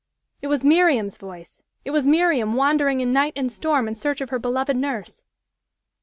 It was Miriam's voice! It was Miriam wandering in night and storm in search of her beloved nurse.